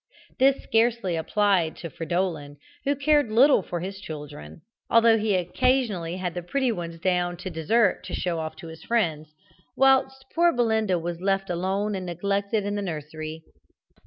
This scarcely applied to Fridolin, who cared little for his children, although he occasionally had the pretty ones down to dessert to show off to his friends, whilst poor Belinda was left alone and neglected in the nursery.